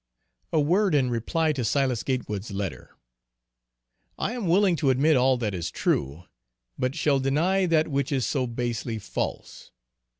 A word in reply to Silas Gatewood's letter. I am willing to admit all that is true, but shall deny that which is so basely false.